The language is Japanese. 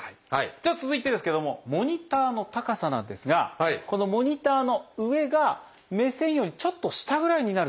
じゃあ続いてですけれどもモニターの高さなんですがこのモニターの上が目線よりちょっと下ぐらいになるといいということです。